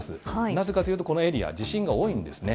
なぜかというとこのエリア、地震が多いんですね。